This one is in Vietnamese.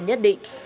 khó khăn nhất định